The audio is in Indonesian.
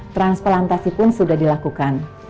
transplantasi pun sudah dilakukan